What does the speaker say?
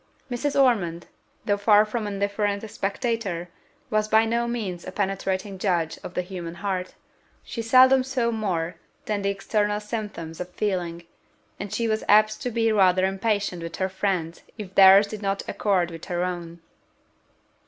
Mrs. Ormond, though far from an indifferent spectator, was by no means a penetrating judge of the human heart: she seldom saw more than the external symptoms of feeling, and she was apt to be rather impatient with her friends if theirs did not accord with her own.